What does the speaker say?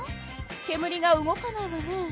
けむりが動かないわね。